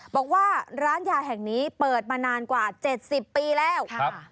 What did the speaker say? บอกว่าร้านยาแห่งนี้เปิดมานานกว่า๗๐ปีแล้ว